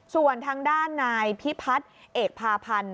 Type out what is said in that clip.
ส่วนทางด้านนายพิพัฒน์เอกพาพันธ์